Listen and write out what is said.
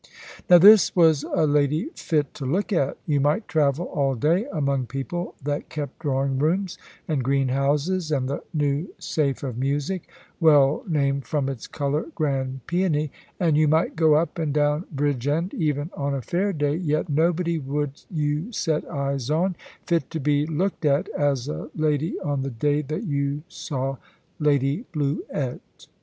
Now this was a lady fit to look at. You might travel all day among people that kept drawing rooms, and greenhouses, and the new safe of music, well named from its colour "grand paeony," and you might go up and down Bridgend, even on a fair day, yet nobody would you set eyes on fit to be looked at as a lady on the day that you saw Lady Bluett.